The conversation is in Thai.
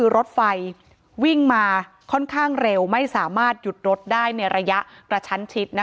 รถไฟวิ่งมาค่อนข้างเร็วไม่สามารถหยุดรถได้ในระยะกระชั้นชิด